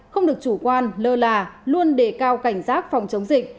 không được chủ quan lơ là luôn đề cao cảnh giác phòng chống dịch